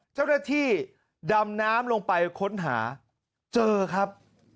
เจ้าหน้าที่ดำน้ำลงไปค้นหาเจอครับ